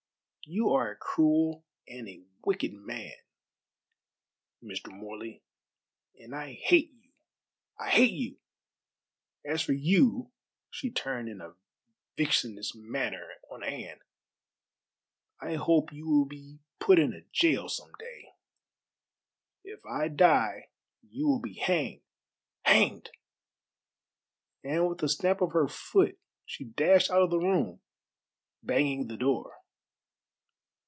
You are a cruel and a wicked man, Mr. Morley, and I hate you I hate you! As for you" she turned in a vixenish manner on Anne "I hope you will be put in gaol some day. If I die you will be hanged hanged!" And with a stamp of her foot she dashed out of the room, banging the door.